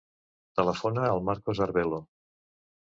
Telefona al Marcos Arvelo.